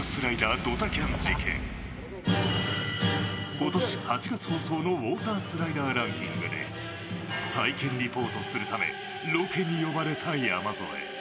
今年８月放送のウォータースライダーランキングで体験リポートするためロケに呼ばれた山添。